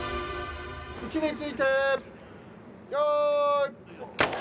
位置について用意。